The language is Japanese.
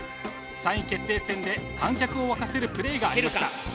３位決定戦で観客を沸かせるプレーがありました。